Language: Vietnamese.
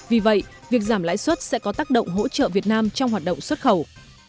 vì vậy việc giảm lãi suất sẽ có tác động hỗ trợ việt nam trong hoạt động xuất khẩu